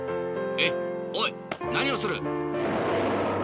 えっおいなにをする？